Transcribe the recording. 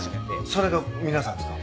それの皆さんですか？